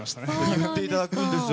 言っていただくんです。